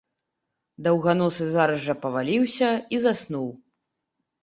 Даўганосы зараз жа паваліўся і заснуў.